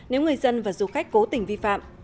nếu người dân và du khách cố tình vi phạm